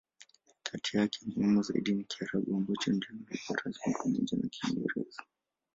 Kati yake, muhimu zaidi ni Kiarabu, ambacho ndicho lugha rasmi pamoja na Kiingereza.